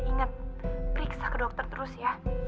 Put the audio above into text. ingat periksa ke dokter terus ya